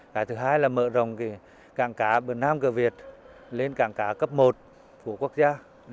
cái thứ hai là mở rộng cảng cá bờ nam cửa việt lên cảng cá cấp một của quốc gia